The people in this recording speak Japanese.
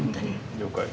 了解。